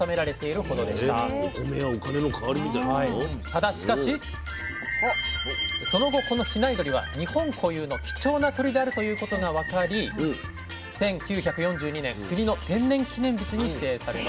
ただしかしその後この比内鶏は日本固有の貴重な鶏であるということが分かり１９４２年国の天然記念物に指定されます。